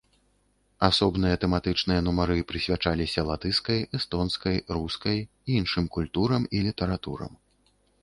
Асобныя тэматычныя нумары прысвячаліся латышскай, эстонскай, рускай, іншым культурам і літаратурам.